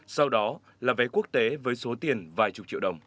sau đó là vé quốc tế với số tiền vài chục triệu đồng